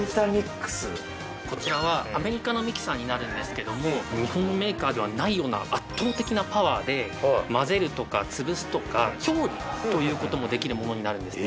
こちらはアメリカのミキサーになるんですけども日本のメーカーではないような圧倒的なパワーで混ぜるとかつぶすとか調理ということもできるものになるんですね